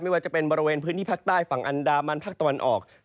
ว่าจะเป็นบริเวณพื้นที่ภาคใต้ฝั่งอันดามันภาคตะวันออก